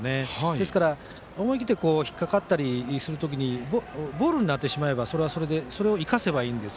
ですから、思い切って引っ掛かったりする時にボールになってしまえばそれはそれで生かせばいいんです